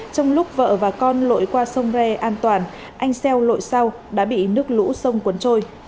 trong lúc vợ và con lội qua sông re an toàn anh xeo lội sau đã bị nước lũ sông cuốn trôi